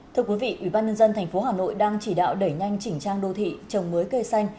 thưa quý vị ubnd tp hà nội đang chỉ đạo đẩy nhanh chỉnh trang đô thị trồng mới cây xanh